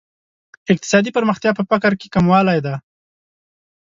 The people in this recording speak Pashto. اقتصادي پرمختیا په فقر کې کموالی دی.